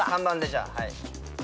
じゃあはい。